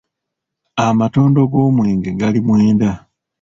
Amatondo g’omwenge gali mwenda.